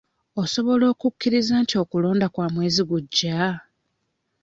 Osobola okukkiriza nti okulonda kwa mwezi gujja?